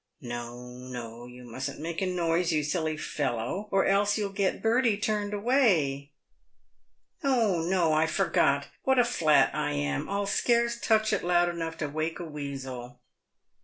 " No, no, you mustn't make a noise, you silly fellow, or else you'll get Bertie turned away." " No ! no ! I forgot. "What a flat I am ! I'll scarce touch it loud enough to wake a weasel."